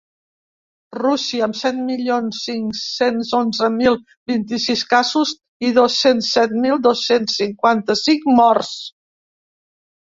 Rússia, amb set milions cinc-cents onze mil vint-i-sis casos i dos-cents set mil dos-cents cinquanta-cinc morts.